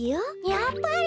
やっぱり！